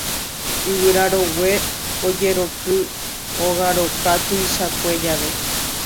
yvyra rogue ojeroky ogaroka tuichakue jave